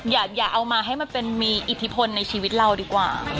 อย่าเอามาให้มันเป็นมีอิทธิพลในชีวิตเราดีกว่า